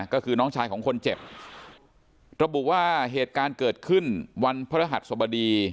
ก็คือน้องชายของคนเจ็บระบุว่าเหตุการณ์เกิดขึ้นวันพระรหัสสบดี